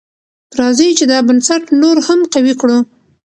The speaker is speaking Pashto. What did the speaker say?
راځئ چې دا بنسټ نور هم قوي کړو.